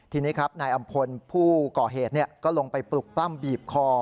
ทีนี้ครับนายอำพลผู้ก่อเหตุก็ลงไปปลุกปล้ำบีบคอ